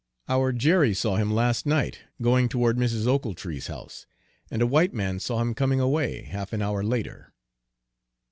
"Our Jerry saw him last night, going toward Mrs. Ochiltree's house, and a white man saw him coming away, half an hour later."